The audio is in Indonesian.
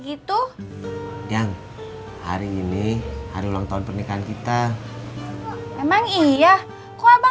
itu yang hari ini hari ulang tahun pernikahan kita emang iya kok abang